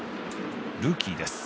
ルーキーです。